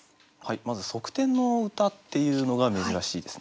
まず「側転」の歌っていうのが珍しいですね。